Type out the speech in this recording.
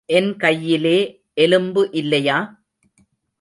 என் கையிலே எலும்பு இல்லையா?